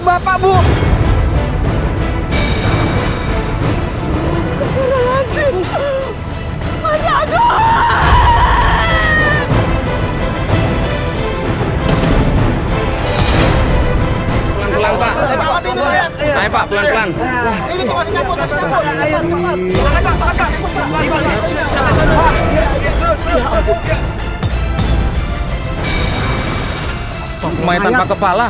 mayat tanpa kepala